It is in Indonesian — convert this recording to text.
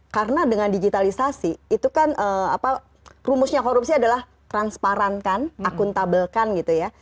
karena dengan digitalisasi itu kan rumusnya korupsi adalah transparan kan akuntabel kan gitu ya